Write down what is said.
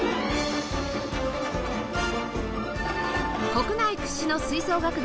国内屈指の吹奏楽団